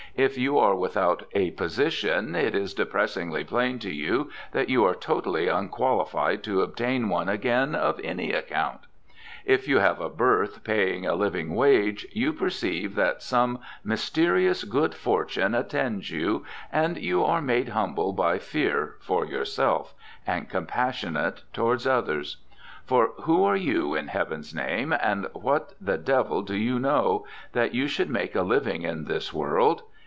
If you are without a position, it is depressingly plain to you that you are totally unqualified to obtain one again, of any account. If you have a berth paying a living wage, you perceive that some mysterious good fortune attends you, and you are made humble by fear for yourself, and compassionate towards others. For who are you, in heaven's name, and what the devil do you know, that you should make a living in this world!